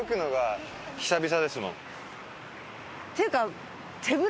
っていうか。